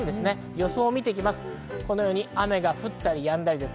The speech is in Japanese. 予想を見てきます。